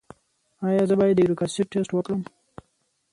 ایا زه باید د یوریک اسید ټسټ وکړم؟